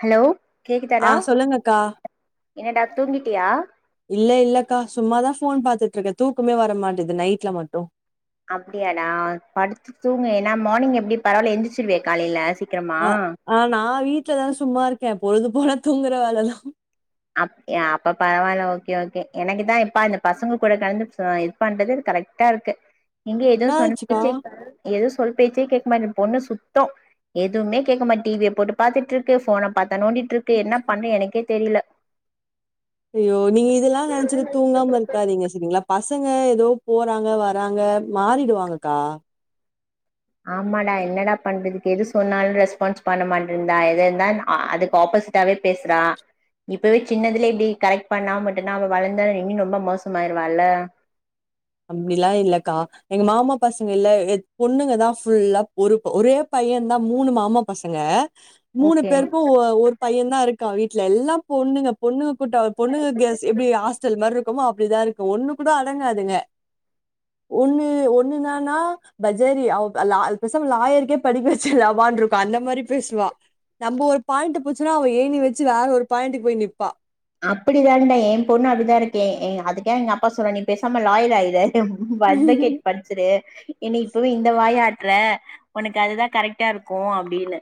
Hello ஆ கேக்குதடா சொல்லுங்கக்கா என்னடா தூங்கிட்டியா இல்ல இல்லக்கா சும்மாதா ஃபோன் பாத்துட்ருக்கே தூக்கமே வர மாட்டேது நைட்ல மட்டும் அப்டியாடா படுத்து தூங்கு ஏனா மார்னிங் எப்டி பரவால்லையா எந்திச்சிருவியா காலைல சி க்கிராமா ஆ ஆ நா வீட்லதா சும்மா இருக்கே பொழுதுபோன தூங்குற வேலதா அப் அ அப்ப பரவால்ல ஓகே ஓகே எனக்குதா இப்ப இந்த பசங்க கூட கடந்து பண்றது கரெக்டா இருக்கு எங்க ஏதோ சொன்ன என்னாச்சுக்கா ச்சே எதுவும் சொல் பேச்சே கேட்மாட்து பொண்ணு சுத்தோ எதுவுமே கேட்க மாட்டிது டிவிய போட்டு பாத்துட்ருக்கு ஃபோன பத்தா நோண்டிட்ருக்கு என்ன பண்ணே எனக்கே தெரில ஐயோ நீங்க இதெல்லா நெனச்சின்னு தூங்காம இருக்காதீங்க செரிங்களா பசங்க ஏதோ போறாங்க வராங்க மாறிடுவாங்கக்கா ஆமாடா என்னடா பண்றதுக்கு எது சொன்னாலும் ரெஸ்பான்ஸ் பண்ண மாட்டன்ரா எத இருந்தா அ அதுக்கு ஆப்போசிட் டவே பேசுறா இப்பவே‌ சின்னதுலே இப்டி கரெக்ட் பண்ணாமா விட்டான அவ வளந்தாலும் இன்னும் ரொம்ப மோசமாயிருவாலே அப்டிலா இல்லக்கா எங்க மாமா பசங்கயில்ல பொண்ணுங்கதா ஃபுல்லா ஒரு ஒரே பையன்தா மூணு மாமா பசங்க மூணு ஓகே பேருக்கும் ஒரு பையன்தா இருக்கான் வீட்ல எல்லாம் பொண்ணுங்க பொண்ணுங்க கூட்டோ பொண்ணுங்க கேஸ் எப்டி ஆஸ்டல் மாரி இருக்கமோ அப்டிதா இரு ஒண்ணு கூட அடங்காதுங்க ஒண்ணு ஒண்ணுன்னனா பஜாரி அ பேசாம லாயருக்கே படிக்க வெச்சுல்லமான்ருக்கும் அந்த மாரி பேசுவா நம்ப ஒரு பாயிண்ட்டு புச்சுன்னா அவ ஏணி வெச்சி வேற ஒரு பாயிண்டுக்கு போய் நிப்பா அப்டிதான்டா என் பொண்ணும் அப்டிதா இருக்கே ஏ அதுக்கே எங்க அப்பா சொன்னா நீ பேசாம லாயர் ஆயுறு அட்வெகேட் பட் செரி என்னே இப்பவே இந்த வாய் ஆட்ற உனக்கு அதுதா கரெக்டா இருக்கும் அப்டின்னு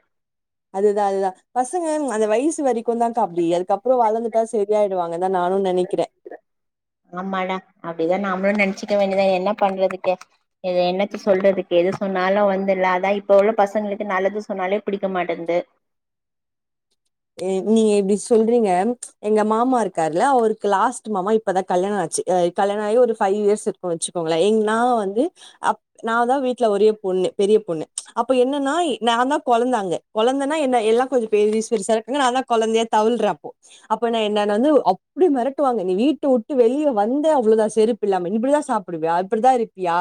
அதுதான் அதுதான் பசங்க அந்த வயசு வரிக்கும் தான்க்கா அப்டி அதுக்கப்பறம் வளர்ந்துட்டா சே ரியாயிடுவாங்கதான் நானும் நெனைக்கிதே ஆமாடா அப்டி தான் நாமளும் நெனச்சுக்க வேண்டியதான் என்ன பண்றதுக்கே இது என்னத்த சொல்றதுக்கு எது சொன்னாலும் வந்துல அதா இப்ப உள்ள பசங்ளுக்கு நல்லது சொன்னாலே பிடிக்க மாட்டன்து நீங்க இப்டி சொல்றிங்க எங்க மாமாருக்காருல அவருக்கு லாஸ்ட்டு மாமா இப் இப்பதா கல்யாண ஆச்சு ஆ இப் கல்யாண ஆயி ஒரு ஃபைவ் இயர்ஸ் இருக்குன் வெச்சுக்கோங்களே எங் நா வந்து அப் நா தா வீட்ல ஒரே பொண்ணு பெரிய பொண்ணு அப்ப என்னன்னா இ நா தா கொழந்த அங்க கொழந்தன்னா என்ன எல்லா கொஞ்சோ பெரிஸ்பெரிசாருக்காங் நா தா கொழந்தயா தவிழ்ற அப்போ அப்ப நா என்ன என்ன வந்து அப்டி மெரட்டுவாங்க நீ வீட்ட உட்டு வெளிய வந்த அவ்ளோதா செருப் பில்லாம இப்டிதா சாப்டுவியா இப்டிதா இருப்பியா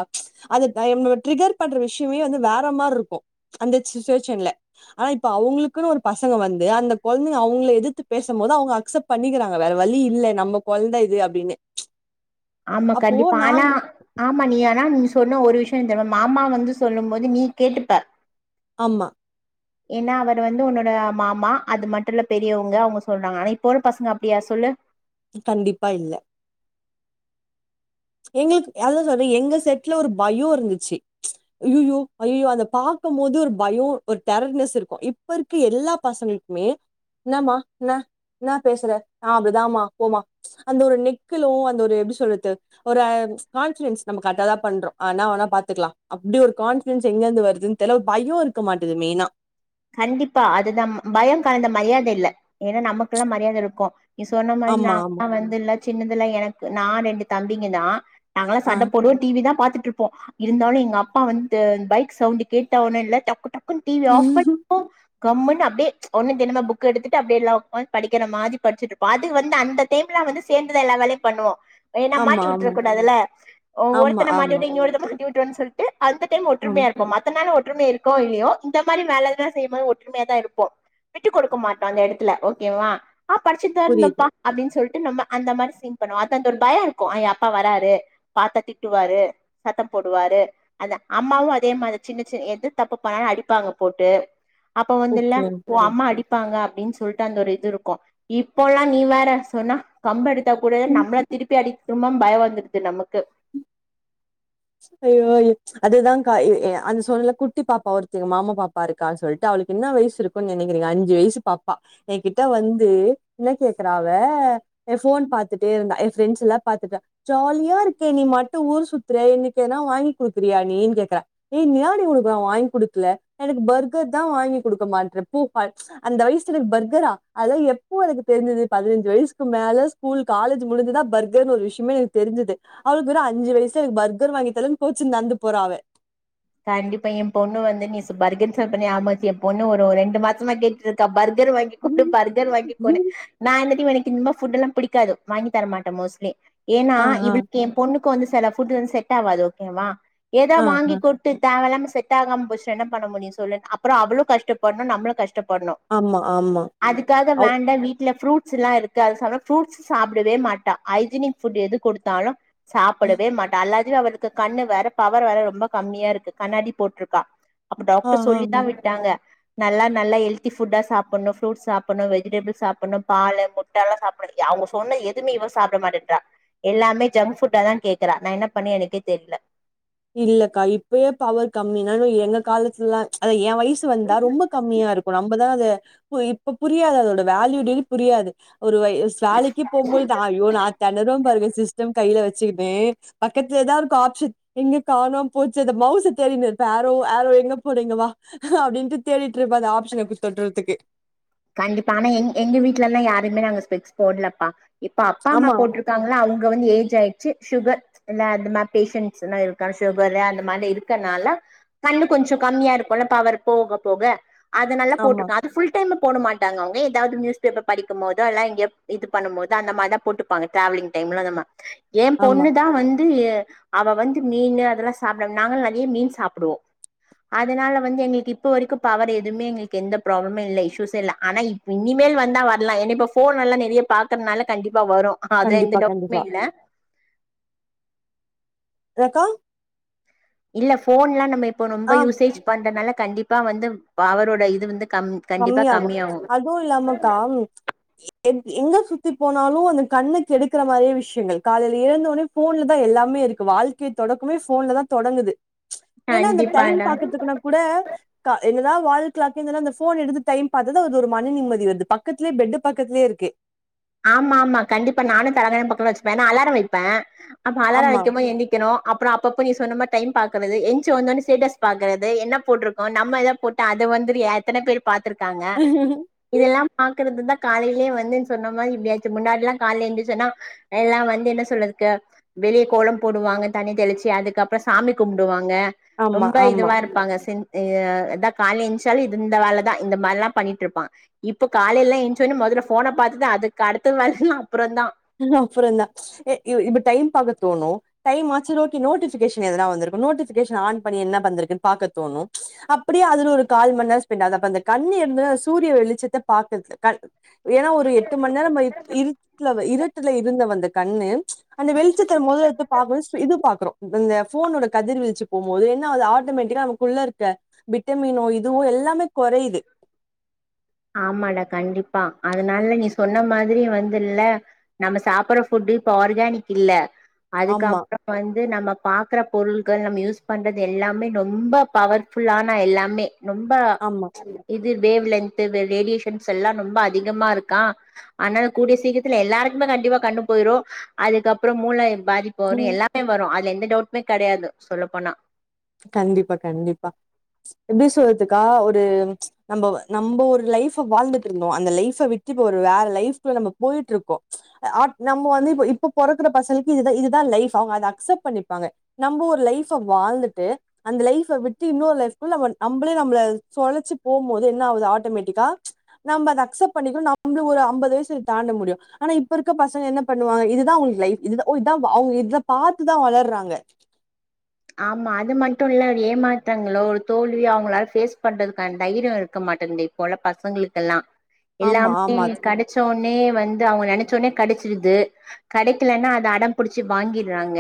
அது நா இவுங்கள ட்ரிகர் பண்ற விஷ்யமே வந்து வேற மார்ருருக்கு அந்த சுச்சுவேச்சன்ல ஆனா இப்ப அவுங்குளுக்குன் ஒரு பசங்க வந்து அந்த கொழ்ந்திங்க அவுங்ள எதுத்து பேசம்மோது அவுங்க அக்சப் பண்ணிக்கிறாங்க வேற வழி இல்ல நம்ம கொழ்ந்த இது அப்டின்னு ஆமா அப்போ கண்டிப்பா ஆனா நாங்க ஆமா நீ ஆனா நீ சொன்ன ஒரு விஷ்யோ தெர்மா மாமா வந்து சொல்லும் போது நீ கேட்டுப்ப ஆம்மா ஏன்னா அவரு வந்து உன்னோட அ மாமா அது மட்டுல்ல பெரியவுங்க அவுங்க சொல்றாங்க ஆனா இப்ப உள்ள பசங்க அப்டியா சொல்லு கண்டிப்பா இல்ல எங்ளுக் அதா சொல்ற எங்க செட்ல ஒரு பயோருந்துச்சு ஐயியோ ஐயோ அத பாக்கமோது ஒரு பயோ ஒரு டெரர்னஸ் இருக்கோ இப்பருக்கு எல்லா பசங்ளுக் மே இன்னமா ன்னா இன்னா பேசுற நா அப்டிதா மா போமா அந்த ஒரு நெக்குலும் அந்த ஒரு எப்டி சொல்றது ஒரு கான்ஃபிடன்ஸ் நம்ப கர்ட்டாதா பண்றோ ஆனா ஓனா பாத்துக்லா அப்டி ஒரு கான்ஃபிடன்ஸ் எங்கர்ந்து வருதுன் தெர்ல ஒரு பயோ இருக்க மாட்டுது மெய்னா கண்டிப்பா அதுதா பயோ கலந்த மரியாத இல்ல ஏனா நமக்லா மரியாதருக்கோ நீ சொன்ன மாரி ஆமா, ஆமா. நாங்ளா வந்துல்ல சின்னதுல எனக்கு நா ரெண்டு தம்பிங்க தா நாங்களா ஆ. சண்ட போடுவோ டி வி தா பாத்துட்டுருப்போ இருந்தாலு எங்க அப்பா வந்து பைக் சவுண்டு கேட்ட ஒட்னேல்ல டக்கு டக்குன்னு டி வி ஆஃப் பண்ணுவோ கம்ன்னு அப்டே ஒன்னும் தெரிம புக் எடுத்துட்டு அப்டேல்ல படிக்கிற மாரி பட்ச்சிட்ருப்போ அது வந்து அந்த டைம்லா வந்து சேந்துதா எல்லா வேலயு பண்ணுவோ ஏனா ஆமா, மாட்டி ஆமா. விட்ரக் கூடதுல ஓ ஆமா, ஒருத்தன மாட்டி ஆமா. உட்டு இங்க ஒருத்த மாட்டி உட்றுவன் சொல்ட் டு அந்த டைம் ஆம். ஒற்றுமயாருப்போ மத்த நாள் ஒற்றுமே இருக்கோ இல்லியோ இந்த மாரி வேல தா செய்யிமோது ஒற்றுமயா தா இருப்போ விட்டு கொடுக்க மாட்டோ அந்த எடத்துல ஓக்கேவா ஆ புரியுது. படிச்சிட்தாருந்தோப்பா அப்டின் சொல்ட்டு நம்ம அந்த மாரி சீன் பண்ணுவோ அது அந்த ஒரு பயோருக்கோ அ ஏ அப்பா வராரு பாத்தா திட்டுவாரு சத்தம் போடுவாரு அந்த அம்மாவு அதே மாரி சின்ன சின்ன எது தப்பு பண்ணாலு அடிப்பாங்க போட்டு அப்ப வந்துல்ல ஓகே, ஓ ஓகே. அம்மா அடிப் ப்பாங்க அப்டின் சொல்ட்டு அந்த ஒரு இதுருக்கும் இப்போல்லா நீ வேற சொன்னா கம்பெடுத் தா கூடா நம்ள திருப்பி அடிக்குமா பயோ வந்துருது நமக்கு ஐய்யோ ஐயோ அதுதா கா எ எ அந் சொல்லக் குட்டி பாப்பா ஒருத்தி எங்க மாமா பாப்பாருக்கான் சொல்ட்டு அவளுக்கு இன்னா வய்ஸூருக் கோ நெனைக்கிறிங்க அஞ்சு வய்சு பாப்பா என் கிட்ட வந்து என்ன கேக்றா அவ என் ஃபோன் பாத்துட்டேருந்தா என் ஃப்ரெண்ட்ஸ் எல்லா பாத்துட்டா ஜாலியாருக்கே நீ மட்டு ஊர் சுத்ற எதனா வாங்கி குடுக்குறியா நீன் கேக்றா ஏ இன்னா டி உனுக்கு நா வாய்ங் குடுக்கல எனக்கு பர்கர் தா வாங்கி குடுக்க மாட்ற போ அ அந்த வயசுல பர்கரா அதாலா எப்போ எனக்கு தெரிஞ்சிது பதினஞ்சு வயசுக்கு மேல ஸ்கூல் காலேஜ் முடிஞ்சுதா பர்கர்ன்னு ஒரு விஷ்யமே எனக்கு தெரிஞ்சிது அவ்ளுக் வெறு அஞ்சு வயசு எனக்கு பர் பர்கர் வாங்கித்தலனு கோச்சுந்து நடந்து போறா அவ கண்டிப்பா என் பொண்ணு வந்து நீ பர்கர் சாப்ட்ட ஆமாச்சு என் பொண்ணு ஒரு ரெண்டு மாசமா கேட்டு இருக்கா பர்கர் வாங்கி கி கொடு பர்கர் வாங்கி கொனு நான்ட்ட எனக்கு இ புட்டு எல்லா பிடிக்காது வாங்கி தரமாட்ட மோஸ்ட்லி எனா ஆ ஆ இவளுக்கு என் பொண்ணுக்கு வந்து சில ஃபுட்டு வந்து செட் ஆவாது ஓகேவா ஏதா ஆ வாங்கி விட்டு தேவைையில்லாம செட் ஆகாம போச்சுன்னா பண்ண முடியு சொல்லு அப்றோ அவளு கஷ்டப்படணு நம்பளு கஷ்டப்படணு ஆமா ஆமா அதுக்காக அவ் வேண்டா வீட்டுல ஃப்ரூட்ஸ் எல்லா இருக்கு அது சாப்டுனா ஃப்ரூட்ஸ் சாப்பிடவே மாட்ட ஐஜினிக் ஃபுட் எது கொடுத்தாலு சாப்படவே மாட்டா அல்லது அவளுக்கு கண்ணு வேற பவர் வேற ரொம்ப கம்மியா இருக்கு கண்ணாடி போட்டிருக்கா அப்ப ஆ டாக்டர் ஆ சொல்லிதா ஆ விட்டாங்க நல்லா நல்லா ஹெல்தி புட்டா சாப்பணு ப்ரூட் சாப்பணு வெஜிடபுள் சாப்பணு பாலு முட் ட சாப்டணு அவுங்க சொன்ன எதுமே இவ சாப்ட மாட்டேன்றா எல்லாமே ஜங்க்ஃபுட்டா தா கேக்குறா நா என பண்ண எனக்கே தெரில இல்லக்கா இப்பயே பவர் கம்மினா எங்க காலத்துலல்லா அத எ வயசு வந்தா ரொம்ப கம்மியா இருக்கு நம்மதானே அது இப்ப புரியாது அதோட வேல்யூட்டி புரியாது ஒரு வே வேலைக்கு போகுபோது ஐயோ நா தேனறுவ பாருங்க சிஸ் டம் கையில வச்சுக்கிட்டே பக்கத்துலதா இருக்கு ஆப்சன் எங்க காணோ போச்சு மவுசு தேடிட்டு இருப்ப ஆரோ ஆரோ எங்க போன இங்கவா அப்டின்ட்டு தேடிட்டு இருப்ப அந்த ஆப்ஷன போய் தெடுறதுக்கு கண்டிப்பா ஆனா எ எங்க வீட்டுல எல்லா யாருமே நாங்க ஸ்பிகஸ் போடலப்பா இப்ப அப்பா அம்மா ஆமா போட்டுரு காங்களா அவுங்க வந்து ஏஜ் ஆயிடுச்சு சுகர் இல்ல அந்த மாரி பேஷன்ட்ஸ் எல்லா இருக்க சுகர் அந்த மாரி இருக்கனால கண்ணு கொஞ்சோ கம்மியா இருக்கும்ல்ல பவர் போக போக அது நால ஆமா போட்டிருக்கே அது ஃபுல் டைமு போட மாட்டாங்க அவுங்க ஏதாவது நியூஸ் பேப்பர் படிக்கு போதுல்ல இங்க இது பண்ணு போது அந்த மாரி தா போட்டு இருப்பாங்க டிராவலிங் டைம்ல அந்தமா ஏ ஆமா பொண்ணு தா வந்து அவ வந்து மீனு அதெல்லா சாப்டாம நாங்களா நேறைய மீன் சாப்டுவோ அதனால வந்து எங்களுக்கு இப்ப வரைக்கு பவர் எதுவுமே எங்களுக்கு எந்த ப்ராப்ளமே இல்ல இஸ்யூஸ் ல்ல ஆனா இப் இனிமேல் வந்த வரலா ஏன இப்போ ஃபோன் எல்லா நெறைய பாக்கறனால கண்டிப்பா வரு அ அதுல எந்த கண்டிப்பா டவுட்டுமே கண்டிப்பா இல்ல என்னக்கா இல்ல போன்லா நம்ப இப்போ ரொம்ப ஆ யூசேஜ் பண்றதுனால கண்டிப்பா வந்து பவரோட இது வந்து கம்மி கம்மியாகு அதுவு இல்லாமக்கா எ எங்க சுத்தி போனாலு அந்த கண்ணு கெடுக்குற மாரியே விஷயங்கள் காலையில எழுந்த உடனே ஃபோன்ல தா எல்லாமே இருக்கு வாழ்க்கையை தொடக்கமே ஃபோன்ல தா தொடங்குது ஏன்னா அந்த டைம் கண்டிப்பாடா பாக்கறதுக்குன்னா கூட என்னதா வால் கிளாக் இந்தாலு அந்த ஃபோ ஃபோன் எடுத்து டைம் பாத்ததா அது ஒரு மன நிம்மதி வருது பக்கத்தலயே பெட்டு பக்கத்தலயே இருக்கு ஆமா ஆமா கண்டிப்பா நானு தலகனை பக்கமத்துல வச்சப்பே நா அலாரம் வைப்பே அப்ப அலாரம் ஆமா வைக்கு போது என்தி அப்றோ அப்பப்ப நீ சொன்னமாரி டைம் பாக்றது ஸ்டேஸ் பாக்றது என்ன போட்டிரு கோ நம்ம எதா போட்டு அது வந்து எத்தன பேர் பார்த்திருக்காங்க இதெல்லா பாக்குறது தா காலையிலயே வந்தே சொன்ன [unintelligible] இப்டியாச்சு முன்னாடி எல்லா கால எழுந்துருச்சோன்னா எல்லா வந்து என்ன சொல்றக்கு வெளியே கோலம் போடுவாங்க தண்ணி தெளிச்சு அதுக்கு அப்றோ சாமி கும்டுவாங்க ஆமா ரொம்ப ஆமா இதுவா இருப்பாங்க சென் எ கால எஞ்சாலு இந்த வேலைதா இந்த மாரி எல்லா பண்ணிட்டு இருப்பா இப்ப காலைய எல்லா எச்சோன்னே முதல்ல ஃபோனை பாத்ததா அதுக்கு அடுத்த வேலை எல்லா அப்றோ தா எல்லா அப்றோ தா ஏ இ இப்ப டைம் பாக்க தோணு டைம் ஆச்சு நோட்கி நோட்டிபிகேஷன் எதனா வந்திருக்கு நோட்டிபிகேஷன் ஆன் பண்ணி என்ன வந்திருக்குன்னு பாக்க தோணு அப்பிடியே அதுல ஒரு கால் மண்நேரோ ஸ்பெண்ட் ஆகுது அப்ப அந்த கண்ணு இருந்த சூரிய வெளிச்சத்த பாக்கறதுக்கு அ ஏனா ஒரு எட்டு மண்நேர வை இருக்க வை இரு ட்டுல இருந்த வந்த கண்ணு அந்த வெளிச்சத்தில் முதலடுத்து பாக்போது ஸ் இது பாக்றோ அந்த போனோட கதிர்வீ்ச்சு போம்போது என்னாவ்து ஆட்டோமேட்டிக்கா நமக்குள்ள இருக்க விட்டமீனோ இதுவு எல்லாமே கொறையுது ஆமாடா கண்டிப்பா அதனால நீ சொன்ன மாதிரி வந்துல நம்ம சாப்பிடுற ஃபுட்டு இப்ப ஆர்கானிக் இல்ல ஆமா அதுக்கப்புற வந்து நம்ம பாக்குற பொருள்கள் நம்ம யூஸ் பண்றது எல்லாமே ரொம்ப பவர்ஃபுல்லானா எல்லாமே ரொம்ப ஆமா இது வேவ் லென்து வே ரேடியேஷன்ஸ் எல்லா ரொம்ப அதிகமா இருக்கா ஆனால கூடிய சீக்கிரத்துல எல்லாருக்குமே கண்டிப்பா கண்ணு போயிரு அதுக்கு அப்புற மூளை பாதிப் பு வரு ம் எல்லாமே வரு அதுல எந்த டவுட்மே கெடையாது சொல்ல போனா கண்டிப்பா கண்டிப்பா எப்டி சொல்றதுக்கா ஒரு நம்ம நம்ம ஒரு லைஃபு வாழ்ந்துட் இருந்தோ அந்த லைஃப விட் கிப்ப ஒரு வேற லைஃப்குல்ல நம்ம போயிட்ருக்கோ அ நம்ம வந்து இப்ப இப்ப பொறக்கற பசங்களுக்கு இதுதா இதுதா லைஃப் அவுங்க அத அக்செப்ட் பண்ணிப்பாங்க நம்ப ஒரு லைஃப்ப வாழ்ந்துட்டு அந்த லைஃப்ப விட்டு இன்னொரு லைஃப்குள்ள வன் நம்புளே நம்ள சொழச்சு போம்போது இன்ன ஆவ்து ஆட்டோமேட்டிக்கா நம்ப அத அக்செப்ட் பண்ணிக்கணோ நம்புளு ஒரு ஐம்பது வய்சு தாண்ட முடியு ஆனா இப்ப இருக்க பசங்க என்ன பண்ணுவாங்க இதுதா அவுங்ளுக்கு லைஃப் இதுதா ஓ இதா அவுங் இத பாத்துதா வளர்றாங்க ஆமா அது மட்டுல்ல ஏமாற்றங்களோ ஒரு தோல்விய அவுங்ளால ஃபேஸ் பண்றதுக்கான தைரியு இருக்க மாட்டன்து இப் போல பசங்களுக்கெல்லா ஆமா எல்லாமே ஆமா கட சஒன்னே வந்து அவங்க நினைச்சோனே கடைச்சிருது கடைக்கிலனா அத அடம்புடிச்சு வாங்கிற்றாங்க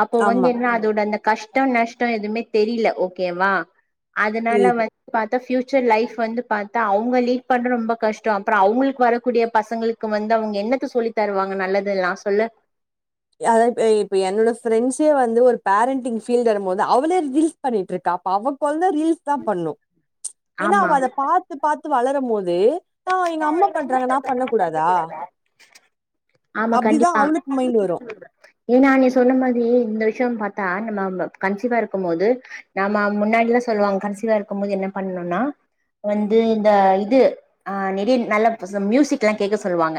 அப்போ வந்து ஆமா என்னா அதோட அந்த கஷ்டோ நஷ்டோ எதுவுமே தெரில ஓகேவா அதனால புரியுது வந் ப்த்தா பியூச்சர் லைப் வந்து பாத்தா அவுங்க லீட் பண்ற ரொம்ப கஷ்டோ அப்பற அவுங்ளுக்கு வரக்கூடிய பசங்களுக் கும் வந்து அவுங்க என்னத்த சொல்லி தருவாங்க நல்லதுலா சொல்லு அத இப் இப்ப என்னோட ஃப்ரெண்ட்ஸே வந்து ஒரு பேரண்டிங் ஃபீல்ட் இருகும்போது அவளே ரீல் பண்ணிட்டு இருக்கா அப்ப அவக்குழ்ந்தா ரீல்ஸ் தா பண்ணு ஏன்னா ஆமா அவ அத பாத்து பாத்து வளரும் போது இன்னவா எங்க அம்மா பண்றாங்க நா பண்ண கூடாதா ஆமா அப்டிதா கண்டிப்பா அவளுக்கு மைண்ட் வரு ஏன்னா நீ சொன்ன மாதிரி இந்த விஷ்யோ பாத்தா நம்ம கன்சிவா இருக்கும் போது நம்ம முன்னாடிலா சொல்லுவாங்க கன்சிவா இருக்கும் போது என்ன பண்ணனுனா வந்து இந்த இது அ நெறிய நல்ல மியூசு மியூசிக்லா கேக்க சொல்வாங்க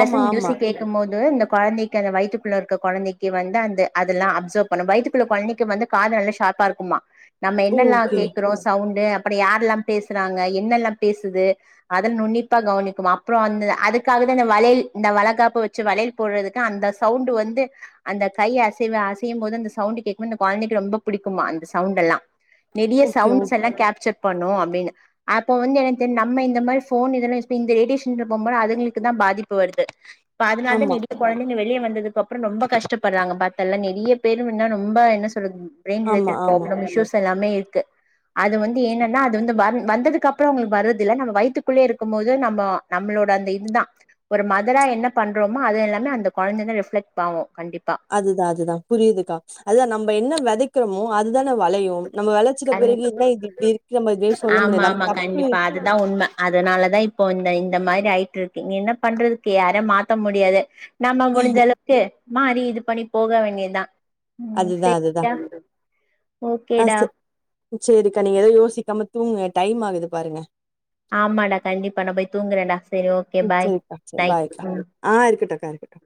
ஆமா, ஆமா. மியூசிக் கேக் கம்போது அந்த குழந்தைக்கு அந்த வயத்துக்குள்ள இருக்க குழந்தைக்கு வந்து அந்த அதுல்லா அப்சர்வ் பண்ணு வயத்துக்குள்ள குழ்ந்தைக்கு வந்து காது நல்லா ஷார்ப்பா இருக்குமா நம்ம என்னெல்லா ஓகே, கேக்குறோ சவுண்டு அப்பற யார்லா பேசுறாங்க என்னெல்லா பேசுது அதன் நுன்னிப்பா கவ்னிக்குமா அப்புற அந்து அதுக்காக தா இந்த வளையல் இந்த வளகாப்பு வச்சு வளைல் போட்றதுக்கு அந்த சவுண்ட் வந்து அந்த கைய அசைவ அசையு போது அந்த சவுண்ட் கேட்கும் அந்த குழந்தைக்கு ரொம்ப புடிக்குமா அந்த சவுண்ட் எல்லா நெறிய ஓகே, சவுண்ட்ஸ் ஓக் எல்லா கேப்சர் பண்ணு அப்டின்னு அப்ப வந்து எனக்கு தெரிய் நம்ம இந்த மாரி போன் இதெல்லா எஸ்பிங் இந்த ரேடியஷன்ற போம்போது அதுங்ளுக்கு தா பாதிப்பு வருது இப் அதனால ஆமா, நெடி குழ்ந்தைங்க வெளியே வந்ததுக்கு அப்புற ரொம்ப கஷ்டப்படுறாங்க பாத்தல்ல நெறிய பேரும் இன்னா ரொம்ப என்ன சொல்றது ப்ரெயின் ஆமா, ரிலேட்டட் ஆமா. ப்ராப்ளம் இஷுயூஸ் எல்லாமே இருக்கு அது வந்து என்னன்னா அது வந்து வ வந்தது அப்பறோ அவுங்களுக்கு வரது இல்ல நம்ம வயித்து குள்ளே இருக்கும் போது நம்ம நம்மளோட அந்த இதுதா ஒரு மதரா என்ன பண்றோமோ அது எல்லாமே அந்த கொழந்த தா ரெஃப்ளெக்ட் பாவோ கண்டிப்பா அதுதா அதுதா புரியுதுக்கா அதுதா நம்ம என்ன வெதைக்கிறோமோ அதுதான வெளையு நம் நம்ம வெளச்சிட அந் பிறகு என்ன இது இப்டி இருக்கு நம்ம எதையு சொல்ல முடியாது நம்ம தப்பு துதா உண்ம அதுனாலதா இப்போ இந்த இந்த மாரி ஆயிட்டு இருக்கு நீ என்ன பண்றதுக்கு யாரையு மாத்த முடியாது நம்ம முடிஞ்ச அளவுக்கு மாறி இது பண்ணி போக வேண்டியதா அதுதா அதுதா ஆ ஓகேடா சேரிக்கா நீ எதோ யோசிக்காம தூங்குங்க டைம் ஆகுது பாருங்க ஆமாடா கண்டிப்பா நா போய் தூங்குறேன்டா செரி ஓகே ம். பாய் சரிக்கா. குட் சரி நைட் பாய்க்கா. ம் ஆ இருக்கட்டுக்கா இருக்கட்டுக்கா